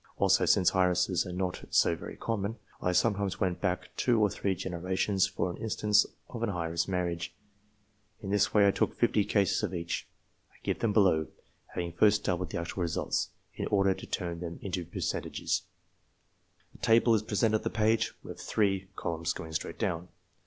Also, since heiresses are not so very common, I sometimes went back two or three gene rations for an instance of an heiress marriage. In this way I took fifty cases of each. I give them below, having first doubled the actual results, in order to turn them into percentages : 100 MARRIAGES OF EACH DESCRIPTION.